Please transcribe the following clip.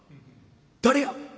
「誰や！？」。